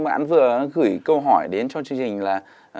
mãn vừa gửi câu hỏi đến cho chương trình là